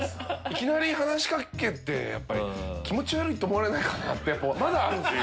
いきなり話し掛けてやっぱり気持ち悪いと思われないかなってまだあるんです。